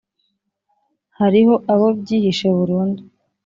hariho abo byihishe burundu,